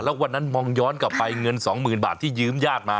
แล้ววันนั้นมองย้อนกลับไปเงิน๒๐๐๐บาทที่ยืมญาติมา